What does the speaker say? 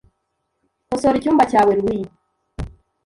Kosora icyumba cyawe, Louie .